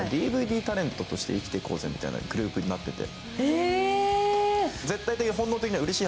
ＤＶＤタレントとして生きていこうぜというグループになってて。